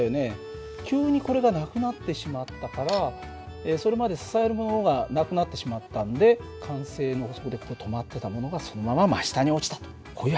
急にこれがなくなってしまったからそれまで支えるものがなくなってしまったんで慣性の法則でいくと止まってたものがそのまま真下に落ちたとこういう訳なんだ。